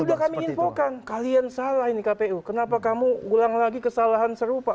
sudah kami infokan kalian salah ini kpu kenapa kamu ulang lagi kesalahan serupa